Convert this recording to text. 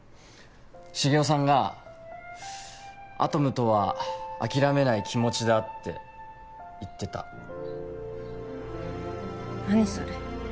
繁雄さんが「アトムとは諦めない気持ちだ」って言ってた何それ？